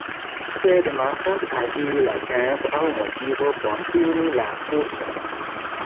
Sed mankas al ili la tempo aŭ motivo por fini la kurson.